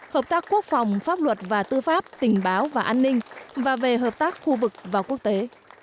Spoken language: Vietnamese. hợp tác quốc phòng pháp luật và tư pháp tình báo và an ninh và về hợp tác khu vực và quốc tế